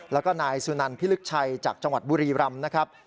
แล้วก็นายสุนันพิฤกชัยจังหวัดบุรีรำ